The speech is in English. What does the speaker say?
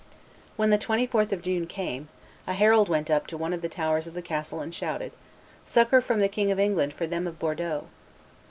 When the 24th of June came, a herald went up to one of the towers of the castle and shouted, "Succor from the King of England for them of Bordeaux!!"